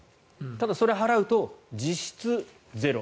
ただ、それを払うと実質ゼロ。